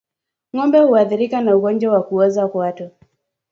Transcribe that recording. Ngombe huathirika na ugonjwa wa kuoza kwato